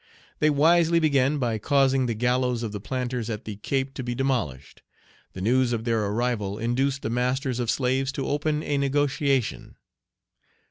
They wisely began by causing the gallows of the planters at the Cape to be demolished. The news of their arrival induced the masters of slaves to open a negotiation.